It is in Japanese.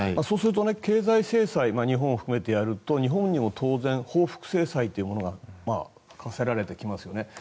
そうすると、経済制裁日本を含めてやると日本にも当然報復制裁というものが科せられてきますよね。